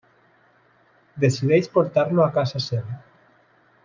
Decideix portar-lo a casa seva.